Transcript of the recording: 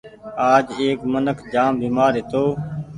آج ايڪ منک جآم بيمآر هيتو